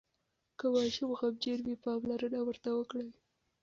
که ماشوم غمجن وي، پاملرنه ورته وکړئ.